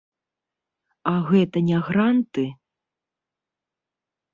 А гэта не гранты?